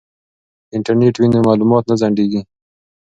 که انټرنیټ وي نو معلومات نه ځنډیږي.